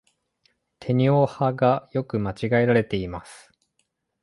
てにをはが、よく間違えられています。